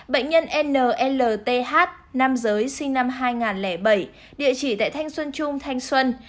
bệnh nhân nlth nam giới sinh năm hai nghìn bảy địa chỉ tại thanh xuân trung thanh xuân